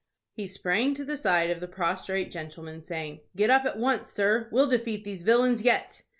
He sprang to the side of the prostrate gentleman, saying, "Get up at once, sir. We'll defeat these villains yet."